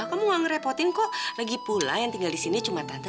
sampai jumpa di video selanjutnya